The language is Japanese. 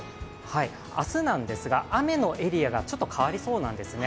明日なんですが、雨のエリアがちょっと変わりそうなんですね。